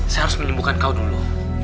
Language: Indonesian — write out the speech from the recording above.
saya harus menyembuhkan kau dulu